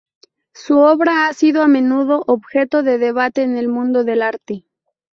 Su obra ha sido a menudo objeto de debate en el mundo del arte.